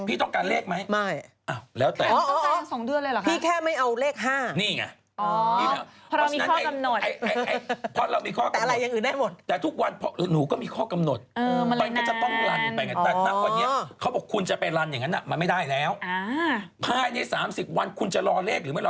พี่รอไป๒เดือนแต่พี่ก็ต้องการเพราะพี่ไม่ต้องการป้ายแดง